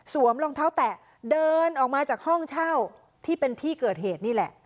รองเท้าแตะเดินออกมาจากห้องเช่าที่เป็นที่เกิดเหตุนี่แหละ